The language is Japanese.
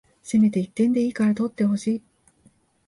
せめて一点でいいから取ってほしい